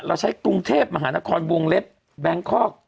เราใช้กรุงเทพมหานครวงเล็บแบงคอก